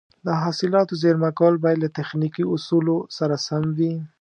د حاصلاتو زېرمه کول باید له تخنیکي اصولو سره سم وي.